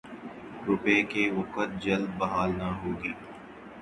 روپے کی وقعت جلد بحال نہ ہوگی۔